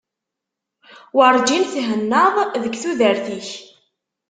Werǧin i thennaḍ deg tudert-ik.